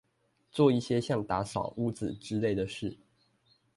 做一些像打掃屋子之類的事